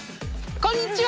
こんにちは！